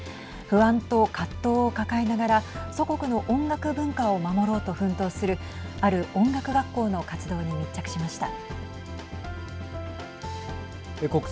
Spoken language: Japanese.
不安と葛藤を抱えながら祖国の音楽文化を守ろうと奮闘するある音楽学校の活動に密着しました。